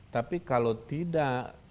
tapi kalau tidak